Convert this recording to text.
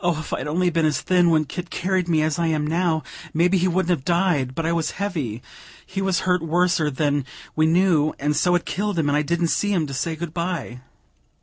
if I'd only been as thin when Kit carried me as I am now, maybe he wouldn't have died; but I was heavy, he was hurt worser than we knew, and so it killed him; and I didn't see him, to say good bye."